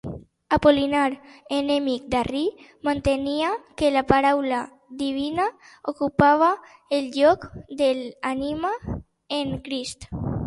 Apol·linar, enemic d'Arri, mantenia que la paraula divina ocupava el lloc de l'ànima en Crist.